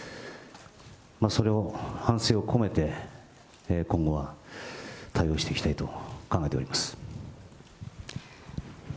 それを反省を込めて、今後は対応していきたいと考えております。